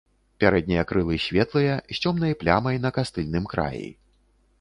Пярэднія крылы светлыя, з цёмнай плямай на кастыльным краі.